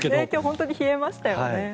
本当に冷えましたよね。